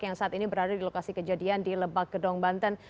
yang saat ini berada di lokasi kejadian di lebak gedong banten